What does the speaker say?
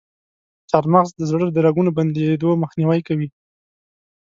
چارمغز د زړه د رګونو بندیدو مخنیوی کوي.